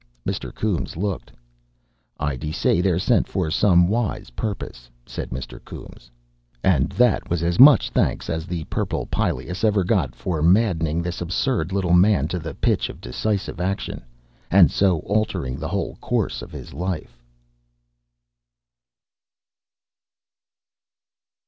Mr. Coombes looked. "I dessay they're sent for some wise purpose," said Mr. Coombes. And that was as much thanks as the purple pileus ever got for maddening this absurd little man to the pitch of decisive action, and so altering the whole course of his life.